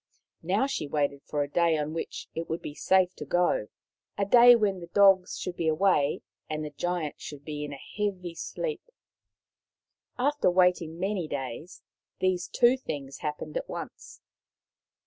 Now she waited for a day on which it would be safe to go — a day when the dogs should be away and the Giant should be in a heavy sleep. After waiting many days, these two things happened at once.